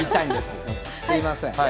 すみません。